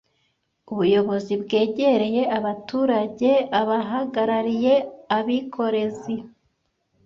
ubuyobozi bwegereye abaturage abahagarariye abikorezi